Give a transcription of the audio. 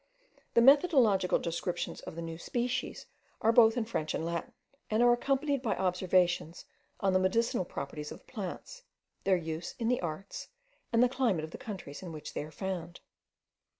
The methodical descriptions of the species are both in French and Latin, and are accompanied by observations on the medicinal properties of the plants, their use in the arts, and the climate of the countries in which they are found.